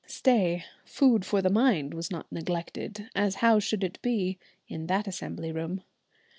Stay; food for the mind was not neglected, as how should it be? in that assembly room.